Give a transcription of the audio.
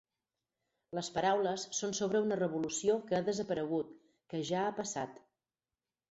Les paraules són sobre una revolució que ha desaparegut, que ja ha passat.